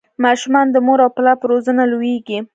ماشومان د مور او پلار په روزنه لویږي.